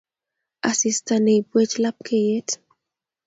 Asista neibwech lapkeiyet